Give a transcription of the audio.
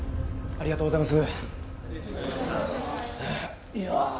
ありがとうございます。